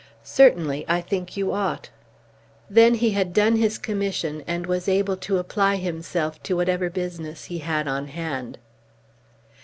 "Certainly I think you ought." Then he had done his commission and was able to apply himself to whatever business he had on hand.